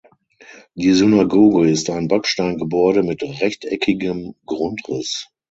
Die Synagoge ist ein Backsteingebäude mit rechteckigem Grundriss.